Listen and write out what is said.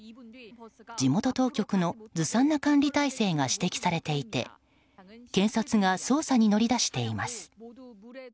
地元当局のずさんな管理体制が指摘されていて検察が捜査に乗り出しています。